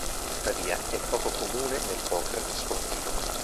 Tuttavia è poco comune nel poker sportivo.